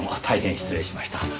大変失礼しました。